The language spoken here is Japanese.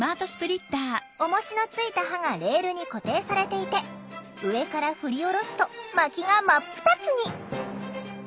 おもしのついた刃がレールに固定されていて上から振り下ろすとまきが真っ二つに！